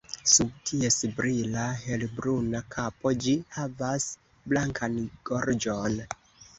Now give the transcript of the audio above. Sub ties brila helbruna kapo, ĝi havas blankan gorĝon.